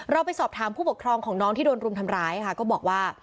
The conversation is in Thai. ไปสอบถามผู้ปกครองของน้องที่โดนรุมทำร้ายค่ะก็บอกว่า